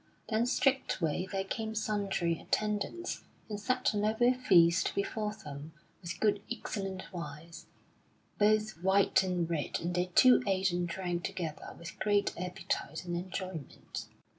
Then straightway there came sundry attendants, and set a noble feast before them, with good excellent wines, both white and red; and they two ate and drank together with great appetite and enjoyment.